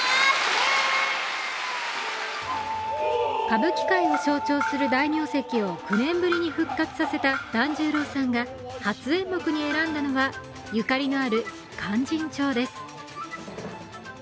歌舞伎界を象徴する大名跡を９年ぶりに復活させた團十郎さんが初演目に選んだのはゆかりのある「勧進帳」です。